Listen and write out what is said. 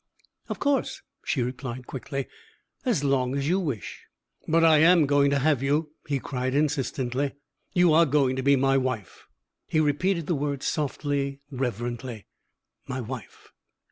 "Of course," she replied, quickly. "As long as you wish." "But I am going to have you!" he cried, insistently. "You are going to be my wife," He repeated the words softly, reverently: "My wife."